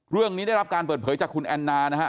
เรื่องนี้ได้รับการเปิดเผยจากคุณแอนนานะฮะ